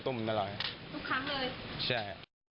ทุกครั้งเลยใช่